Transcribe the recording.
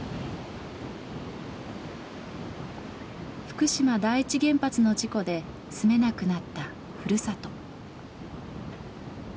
福島第一原発の事故で住めなくなったふるさと。